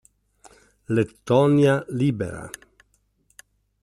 Lettonia Libera!".